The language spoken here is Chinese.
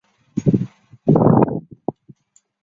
黄色妹妹头。